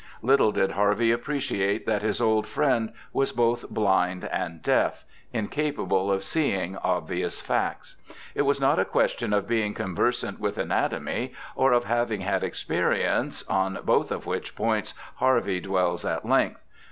Little did Harvey appreciate that his old friend was both blind and deaf— incapable of seeing obvious facts. It was not a question of being conversant with anatomy or of having had experience, on both of which points Harvey dwells at length.